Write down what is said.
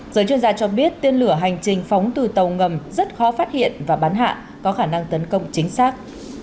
giới chuyên gia cho biết tên lửa hành trình phóng từ tàu ngầm rất khó phát hiện và bắn hạ có khả năng tấn công chính xác